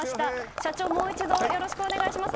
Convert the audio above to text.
社長、もう一度よろしくお願いします。